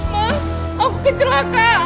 ma ma aku kecelakaan